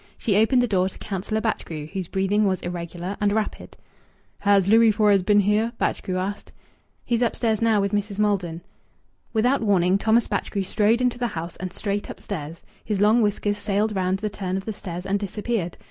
She opened the door to Councillor Batchgrew, whose breathing was irregular and rapid. "Has Louis Fores been here?" Batchgrew asked. "He's upstairs now with Mrs. Maldon." Without warning, Thomas Batchgrew strode into the house and straight upstairs. His long whiskers sailed round the turn of the stairs and disappeared.